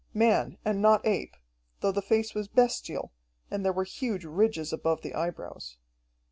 Man and not ape, though the face was bestial, and there were huge ridges above the eyebrows.